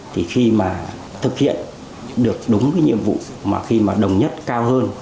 thì khi mà thực hiện được đúng cái nhiệm vụ mà khi mà đồng nhất cao hơn